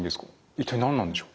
一体何なんでしょう？